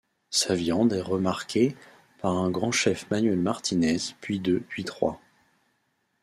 Sa viande est remarquée par un grand chef Manuel Martinez, puis deux, puis trois.